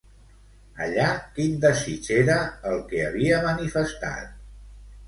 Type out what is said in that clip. Allà, quin desig era el que havia manifestat?